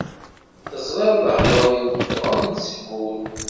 Teẓriḍ lehḍur-iw ffɣen-d seg wul.